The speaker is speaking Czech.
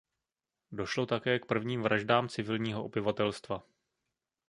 Došlo také k prvním vraždám civilního obyvatelstva.